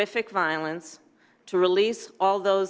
untuk melepaskan semua orang yang tidak benar benar ditahan